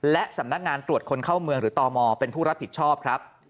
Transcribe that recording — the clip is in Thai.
และสำนักงานตรวจคนเข้าเมืองหรือตมเป็นผู้รับผิดชอบครับ